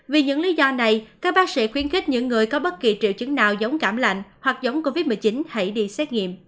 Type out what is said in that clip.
vì những lý do này các bác sĩ khuyến khích những người có bất kỳ triệu chứng nào giống cảm lạnh hoặc giống covid một mươi chín hãy đi xét nghiệm